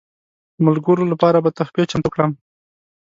ملګرو لپاره به تحفې چمتو کړم.